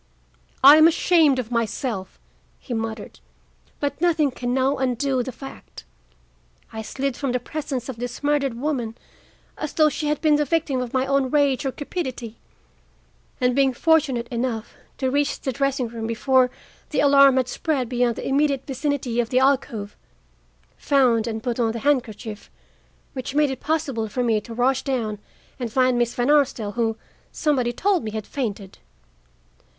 "I am ashamed of myself," he muttered, "but nothing can now undo the fact. I slid from the presence of this murdered woman as though she had been the victim of my own rage or cupidity; and, being fortunate enough to reach the dressing room before the alarm had spread beyond the immediate vicinity of the alcove, found and put on the handkerchief, which made it possible for me to rush down and find Miss Van Arsdale, who, somebody told me, had fainted.